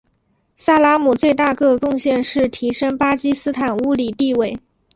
萨拉姆最大个贡献是提升巴基斯坦物理地位。